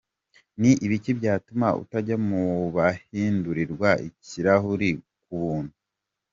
Ni ibiki byatuma utajya mu bahindurirwa ikirahuri k’ubuntu?.